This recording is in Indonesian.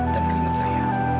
dan keringat saya